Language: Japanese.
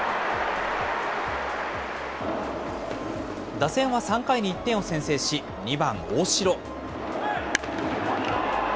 打線は３回に１点を先制し、２番大城。